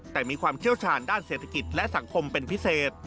แต่มีความเชี่ยวชาญด้านเศรษฐกิจและสังคมเป็นพิเศษ